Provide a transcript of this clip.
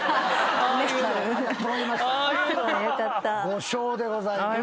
５笑でございます。